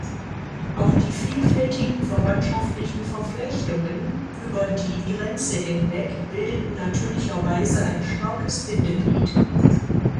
Auch die vielfältigen verwandtschaftlichen Verflechtungen über die Grenze hinweg bildeten natürlicherweise ein starkes Bindeglied.